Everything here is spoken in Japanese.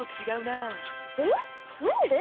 えっなんで？